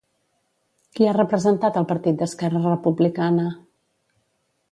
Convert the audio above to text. Qui ha representat el partit d'Esquerra Republicana?